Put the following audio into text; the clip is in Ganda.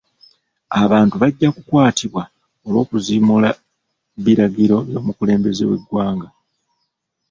Abantu bajja kukwatibwa olwo'kuziimuula biragiro by'omukulembeze we ggwanga.